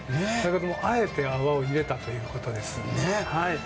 あえて泡を入れたということです。